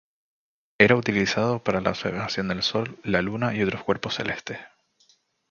Era utilizado para la observación del Sol, la Luna y otros cuerpos celestes.